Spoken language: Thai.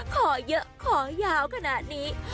ขอเยอะขอยาวกระหนา